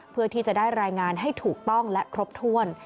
เพื่อที่จะได้รายงานให้ถูกต้องและครบถ้วน